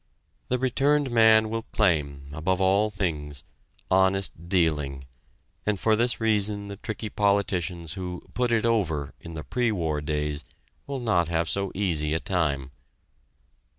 The returned man will claim, above all things, honest dealing, and for this reason the tricky politicians who "put it over" in the pre war days will not have so easy a time.